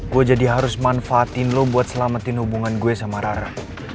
gue jadi harus manfaatin lo buat selamatin hubungan gue sama rara